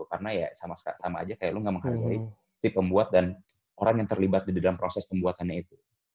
karena ya sama sama aja kayak lu nggak menghargai si pembuat dan orang yang terlibat di dalam proses pembuatannya itu